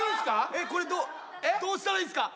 えっこれどうどうしたらいいんすか？